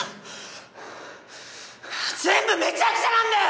全部めちゃくちゃなんだよ！！